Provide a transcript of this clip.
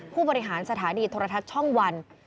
ผู้บริหารสถานีโทรทัศน์ช่องวัน